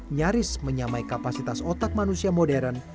nyaris menyamai kapasitas otak manusia modern